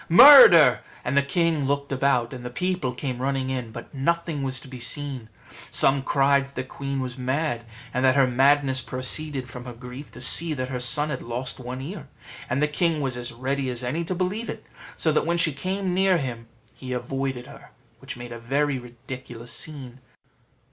murder!" and the king looked about, and the people came running in; but nothing was to be seen. Some cried that the queen was mad, and that her madness proceeded from her grief to see that her son had lost one ear; and the king was as ready as any to believe it, so that when she came near him he avoided her, which made a very ridiculous scene.